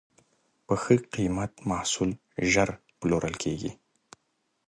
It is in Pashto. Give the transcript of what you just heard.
په ښه قیمت محصول ژر پلورل کېږي.